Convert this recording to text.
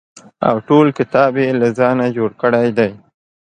او ټول کتاب یې له ځانه جوړ کړی دی.